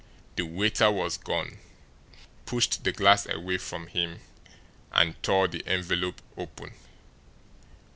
The waiter was gone; he pushed the glass away from him, and tore the envelope open.